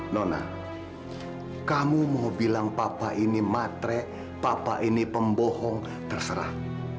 nona kamu mau bilang papa ini matre papa ini pembohong terserah